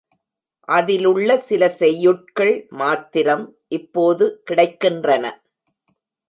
அதிலுள்ள சில செய்யுட்கள் மாத்திரம் இப்போது கிடைக்கின்றன.